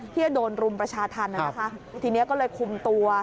ที่จะโดนรุมประชาธรรมนะคะทีนี้ก็เลยคุมตัว